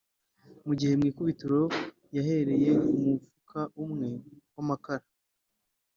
mu gihe mu ikubitiro yahereye ku mufuka umwe w’amakara